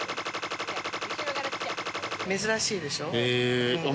珍しいでしょう。